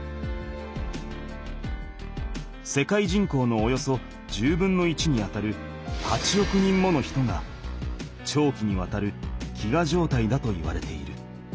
世界人口のおよそ１０分の１にあたる８億人もの人が長期にわたる飢餓状態だといわれている。